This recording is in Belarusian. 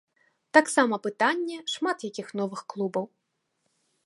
Таксама пытанне шмат якіх новых клубаў.